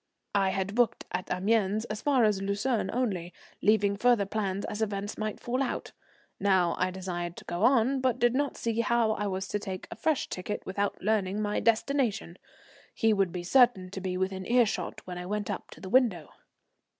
I had booked at Amiens as far as Lucerne only, leaving further plans as events might fall out. Now I desired to go on, but did not see how I was to take a fresh ticket without his learning my destination. He would be certain to be within earshot when I went up to the window.